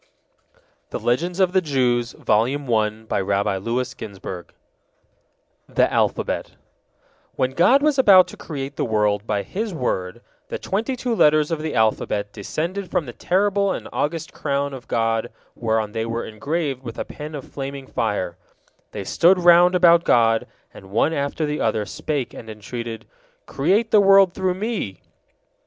THE ALPHABET When God was about to create the world by His word, the twenty two letters of the alphabet descended from the terrible and august crown of God whereon they were engraved with a pen of flaming fire. They stood round about God, and one after the other spake and entreated, "Create the world through me!"